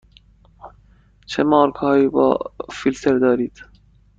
چه مارک هایی با فیلتر دارید؟